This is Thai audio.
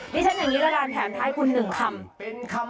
นี่ฉันอย่างนี้ก็รันแถมท้ายคุณหนึ่งคำ